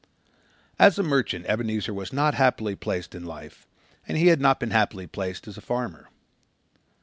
As a merchant Ebenezer was not happily placed in life and he had not been happily placed as a farmer.